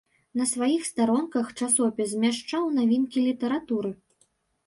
На сваіх старонках часопіс змяшчаў навінкі літаратуры.